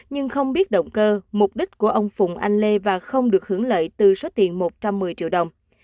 nhưng không biết động cơ mục đích của ông phùng anh lê và không được hưởng lợi từ số tiền một trăm một mươi triệu đồng